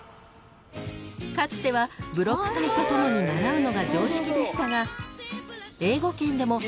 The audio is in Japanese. ［かつてはブロック体と共に習うのが常識でしたが］